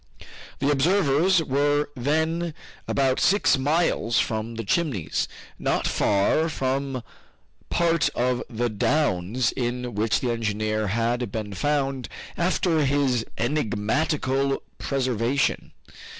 The observers were then about six miles from the Chimneys, not far from that part of the downs in which the engineer had been found after his enigmatical preservation.